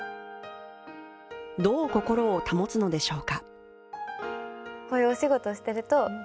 どう心を保つのでしょうか？